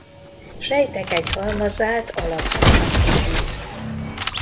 Sejtek egy halmazát alakzatnak hívjuk.